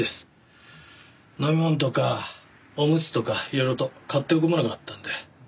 飲み物とかオムツとかいろいろと買っておくものがあったんで。